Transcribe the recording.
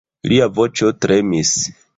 Lia voĉo tremis.